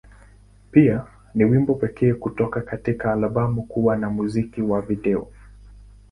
Pia, ni wimbo pekee kutoka katika albamu kuwa na muziki wa video.